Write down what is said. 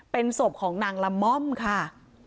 เป็นศพของนางละม่อมค่ะ